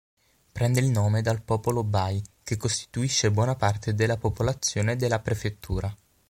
Prende il nome dal popolo bai, che costituisce buona parte della popolazione della prefettura.